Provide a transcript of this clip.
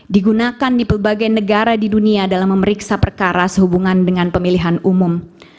digunakan di berbagai negara di dunia dalam memeriksa perkara sehubungan dengan pemilihan umum